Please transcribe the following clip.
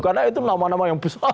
karena itu nama nama yang besar